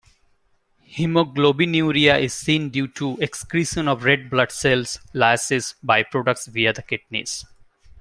Hemoglobinuria is seen due to excretion of red-blood-cell lysis byproducts via the kidneys.